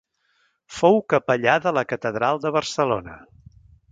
Fou capellà de la catedral de Barcelona.